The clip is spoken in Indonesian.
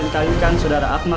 ini udah bedanya